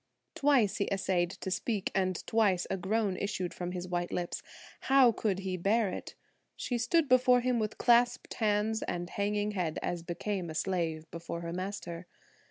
Twice he essayed to speak, and twice a groan issued from his white lips. How could he bear it! She stood before him with clasped hands and hanging head as became a slave before her master.